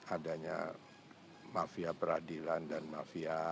adanya mafia peradilan dan mafia